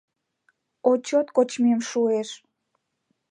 О чот кочмем шуэш...